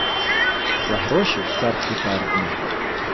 За гроші в церкві пердне